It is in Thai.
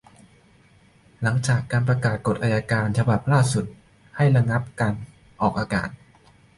หลังประกาศกฎอัยการฉบับล่าสุดให้ระงับการออกอากาศ